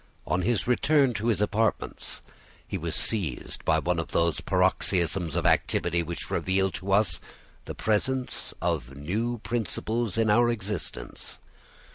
On his return to his apartments he was seized by one of those paroxysms of activity which reveal to us the presence of new principles in our existence.